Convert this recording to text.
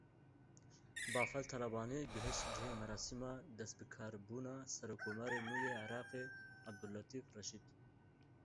Bafel Talebanî gihîşt cihê merasima destbikarbûna serokkomarê nû yê Iraqê Ebdulletîf Reşîd.